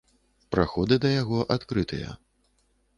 Праходы да яго адкрытыя.